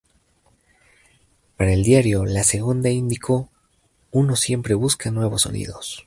Para el diario La Segunda indicó: "Uno siempre busca nuevos sonidos.